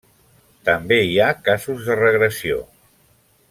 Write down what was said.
També hi ha casos de regressió.